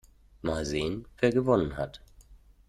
Mal sehen, wer gewonnen hat.